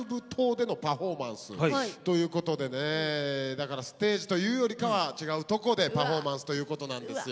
だからステージというよりかは違うとこでパフォーマンスということなんですよ。